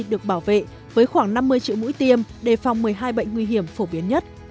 được bảo vệ với khoảng năm mươi triệu mũi tiêm đề phòng một mươi hai bệnh nguy hiểm phổ biến nhất